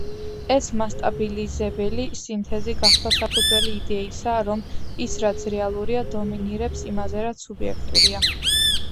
ეს მასტაბილიზებელი სინთეზი გახდა საფუძველი იდეისა, რომ ის რაც „რეალურია“ დომინირებს იმაზე რაც სუბიექტურია.